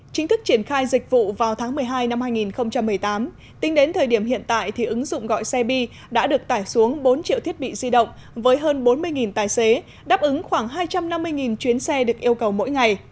chính thức triển khai dịch vụ vào tháng một mươi hai năm hai nghìn một mươi tám tính đến thời điểm hiện tại thì ứng dụng gọi xe bi đã được tải xuống bốn triệu thiết bị di động với hơn bốn mươi tài xế đáp ứng khoảng hai trăm năm mươi chuyến xe được yêu cầu mỗi ngày